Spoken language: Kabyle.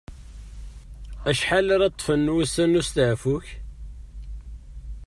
Acḥal ara ṭṭfen wussan n usteɛfu-k?